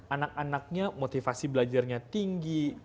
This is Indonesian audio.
anak anaknya motivasi belajarnya tinggi